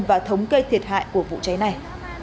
và thống kê thiệt hại của vụ cháy này